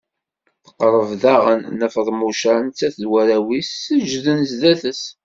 Tqerreb daɣen Nna Feḍmuca nettat d warraw-is, seǧǧden zdat-s.